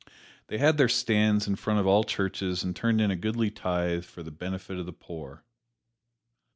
They had their stands in front of all churches and turned in a goodly tithe "for the benefit of the poor."